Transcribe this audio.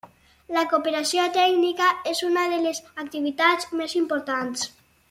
La cooperació tècnica és una de les activitats més importants.